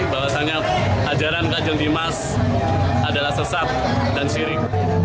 bahwasannya ajaran kanjeng dimas adalah sesat dan syirik